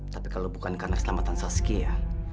tapi kalau bukan karena keselamatan saskia